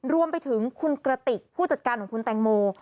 รวมไปถึงคุณกระติกผู้จัดการของคุณแตงโม